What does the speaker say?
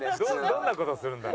どんな事するんだ。